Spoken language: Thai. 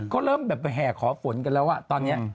ก็เริ่มแบบแห่ขอฝนกันแล้วตอนนี้